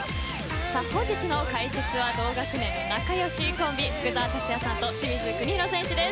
本日の解説は同学年の仲良しコンビ福澤達哉さんと清水邦広さんです